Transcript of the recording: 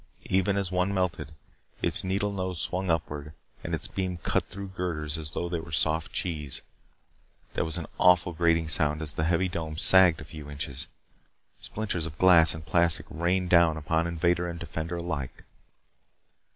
Even as one melted, its needle nose swung upward and its beam cut through girders as though they were soft cheese. There was an awful grating sound as the heavy dome sagged a few inches. Splinters of glass and plastic rained down upon invader and defender alike.